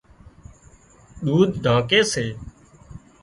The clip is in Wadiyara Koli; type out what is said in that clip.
ۮُوڌ ڍانڪي سي